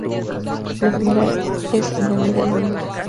Por lo general es en el mes de noviembre.